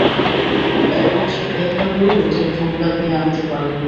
একমাত্র এভাবেই ওদের ডুব লাগিয়ে আনতে পারবো।